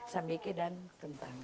sambiki dan kentang